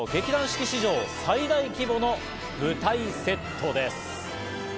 劇団四季史上最大規模の舞台セットです。